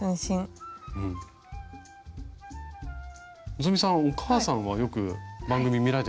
希さんお母さんはよく番組見られてるんですか？